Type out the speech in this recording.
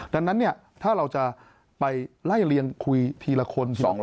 ดังนั้นถ้าเราจะไปไล่เลียงคุยทีละคน